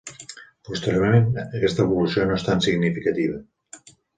Posteriorment, aquesta evolució no és tan significativa.